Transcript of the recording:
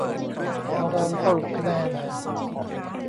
ตารางสรุปคะแนน